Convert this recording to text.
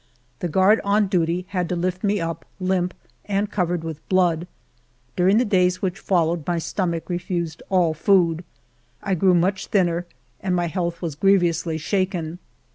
The guard on duty had to lift me up, limp and covered with blood. During the days which followed, my stomach refused all food. I grew much thinner, and my health was grievously shaken.